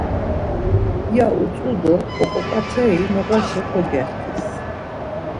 ya utzu do oǩoǩatreri noğaşa kogextes.